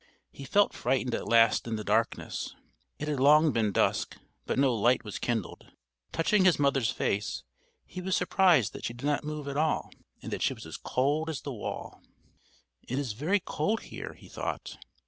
He felt frightened at last in the darkness: it had long been dusk, but no light was kindled. Touching his mother's face, he was surprised that she did not move at all, and that she was as cold as the wall. "It is very cold here," he thought.